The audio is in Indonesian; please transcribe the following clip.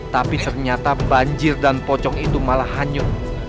tapi ternyata banjir dan pocong itu malah hanyut